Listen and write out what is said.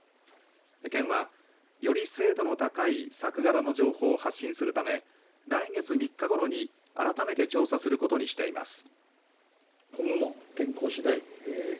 県は、より精度の高い作柄の情報を発信するため来月３日ごろに改めて調査することにしています。